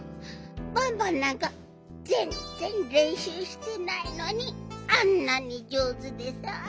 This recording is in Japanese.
バンバンなんかぜんぜんれんしゅうしてないのにあんなにじょうずでさ。